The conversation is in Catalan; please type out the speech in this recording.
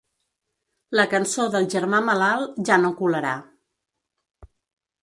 La cançó del germà malalt ja no colarà.